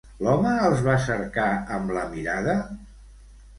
L'home els va cercar amb la mirada?